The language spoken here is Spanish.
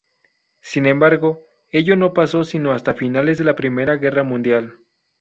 Sin embargo, ello no pasó sino hasta finales de la primera guerra mundial.